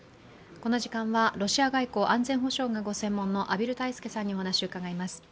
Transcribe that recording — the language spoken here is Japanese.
この時間はロシア外交・安全保障がご専門の畔蒜泰助さんにお話を伺います。